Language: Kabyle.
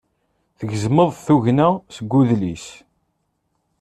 Tegzem-d tugna seg udlis.